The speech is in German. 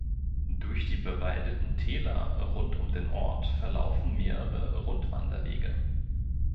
Durch die bewaldeten Täler rund um den Ort verlaufen mehrere Rundwanderwege.